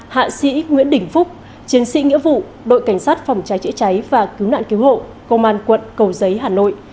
hạ sĩ nguyễn đình phúc chiến sĩ nghĩa vụ đội cảnh sát phòng cháy chữa cháy và cứu nạn cứu hộ công an quận cầu giấy hà nội